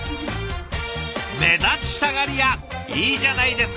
目立ちたがり屋いいじゃないですか！